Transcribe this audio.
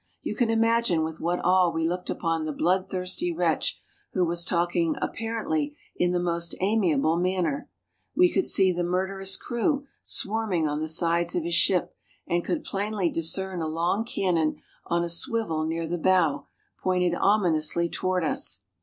You can imagine with what awe we looked upon the bloodthirsty wretch who was talking apparently in the most amiable manner. We could see the murderous crew swarming on the sides of his ship and could plainly discern a long cannon on a swivel near the bow, pointed ominously toward us.